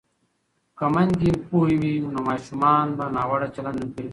که میندې پوهې وي نو ماشومان به ناوړه چلند نه کوي.